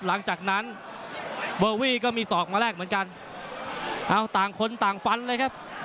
หลังจากนั้นมีสอกมาแลกเหมือนกันเอาต่างคนต่างฟันเลยครับ